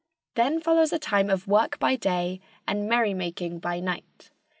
Then follows a time of work by day and merrymaking by night.